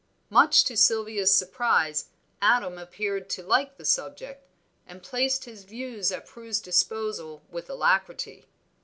Much to Sylvia's surprise Adam appeared to like the subject, and placed his views at Prue's disposal with alacrity.